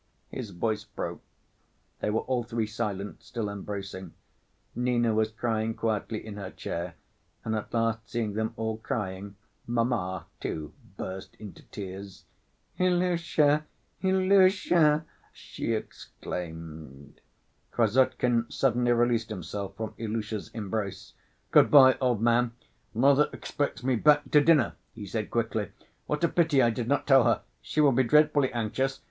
His voice broke. They were all three silent, still embracing. Nina was crying quietly in her chair, and at last seeing them all crying, "mamma," too, burst into tears. "Ilusha! Ilusha!" she exclaimed. Krassotkin suddenly released himself from Ilusha's embrace. "Good‐by, old man, mother expects me back to dinner," he said quickly. "What a pity I did not tell her! She will be dreadfully anxious....